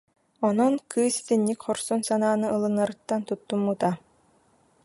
Онон кыыс итинник хорсун санааны ылынарыттан туттуммута